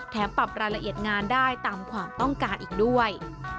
ปรับรายละเอียดงานได้ตามความต้องการอีกด้วย